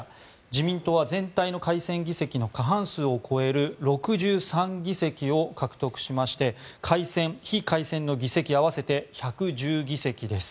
自民党は全体の改選議席の過半数を超える６３議席を獲得しまして改選・非改選の議席合わせて１１９議席です。